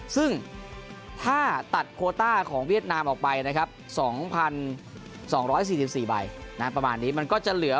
ซึ่งถ้าตัดโคต้าของเวียดนามออกไปนะครับ๒๒๔๔ใบประมาณนี้มันก็จะเหลือ